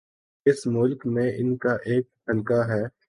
اس ملک میں ان کا ایک حلقہ ہے۔